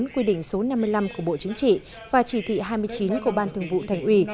quy định số năm mươi năm của bộ chính trị và chỉ thị hai mươi chín của ban thường vụ thành ủy